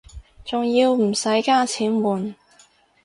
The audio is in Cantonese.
仲要唔使加錢換